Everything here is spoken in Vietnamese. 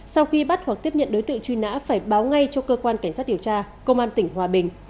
sau khi bắt hoặc tiếp nhận đối tượng truy nã phải báo ngay cho cơ quan cảnh sát điều tra công an tỉnh hòa bình